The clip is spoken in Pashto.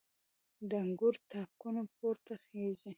د انګور تاکونه پورته خیژي